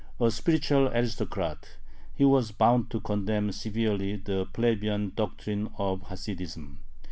A spiritual aristocrat, he was bound to condemn severely the "plebeian" doctrine of Hasidism.